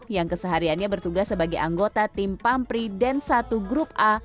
yang kesehariannya bertugas sebagai anggota tim pampri den satu grup a